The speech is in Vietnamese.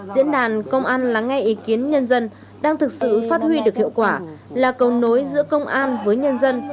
diễn đàn công an lắng nghe ý kiến nhân dân đang thực sự phát huy được hiệu quả là cầu nối giữa công an với nhân dân